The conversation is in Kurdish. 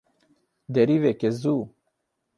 Derî veke zû.